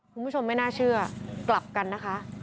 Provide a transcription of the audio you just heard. คุณผู้ชมไม่น่าเชื่อกลับกันนะคะ